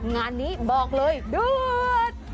งานนี้บอกเลยด้วย